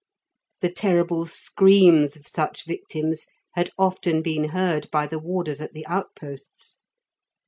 The terrible screams of such victims had often been heard by the warders at the outposts.